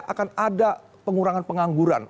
akan ada pengurangan pengangguran